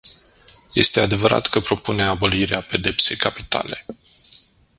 Este adevărat că propune abolirea pedepsei capitale.